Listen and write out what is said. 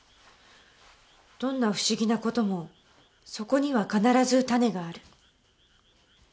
「どんな不思議な事もそこには必ずタネがある」。